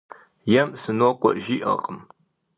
Ем «сынокӀуэ» жиӀэркъым.